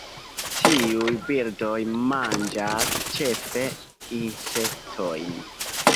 Tiuj birdoj manĝas ĉefe insektojn.